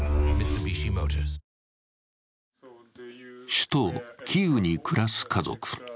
首都キーウに暮らす家族。